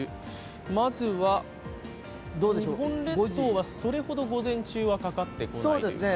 まずは日本列島はそれほど午前中はかかってはこないということですかね。